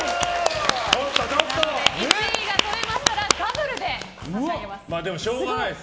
１位がとれましたらダブルで差し上げます。